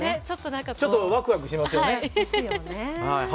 ちょっとワクワクしますよね。